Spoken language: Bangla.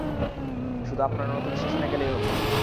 শুধু আপনার নতুন স্টেশনে গেলেই হবে না।